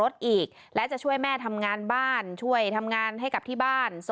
ดูอาจทำงานให้กลับที่บ้าน